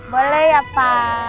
boleh ya pa